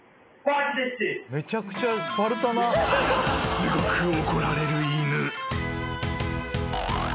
［すごく怒られる犬］